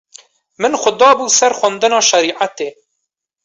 min xwe dabû ser xwendina şerîetê